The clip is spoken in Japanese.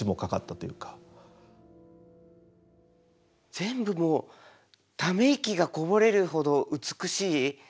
全部もうため息がこぼれるほど美しい。